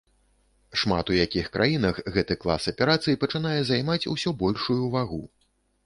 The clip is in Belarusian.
Шмат у якіх краінах гэты клас аперацый пачынае займаць усё большую вагу.